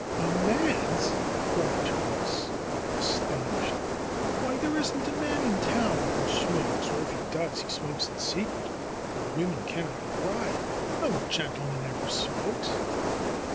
man's!" cried Therese, astonished. ''Why, there isn't a man in town who smokes, or if he does, he smokes in secret, where women cannot pry. No gentleman ever smokes."